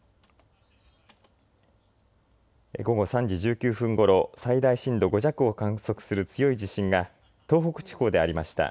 午後３時１９分ごろ、最大震度５弱を観測する強い地震が東北地方でありました。